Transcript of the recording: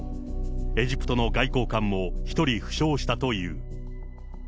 エジプトの外交官も１人負傷したという。